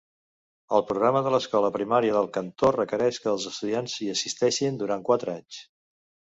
El programa de l'escola primària del Cantó requereix que els estudiants hi assisteixin durant quatre anys.